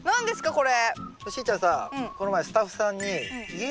これ。